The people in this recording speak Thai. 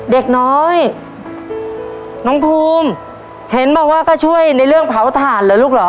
เด็กน้อยน้องภูมิเห็นบอกว่าก็ช่วยในเรื่องเผาถ่านเหรอลูกเหรอ